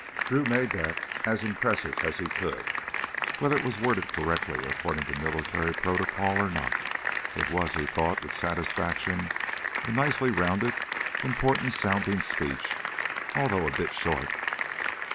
Drew made that as impressive as he could, whether it was worded correctly according to military protocol or not. It was, he thought with satisfaction, a nicely rounded, important sounding speech, although a bit short.